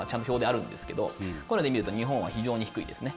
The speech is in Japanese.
こういうので見ると日本は非常に低いですね。